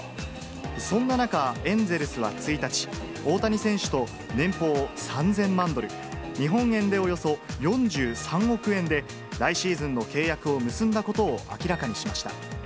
そんな中、エンゼルスは１日、大谷選手と年俸３０００万ドル、日本円でおよそ４３億円で来シーズンの契約を結んだことを明らかにしました。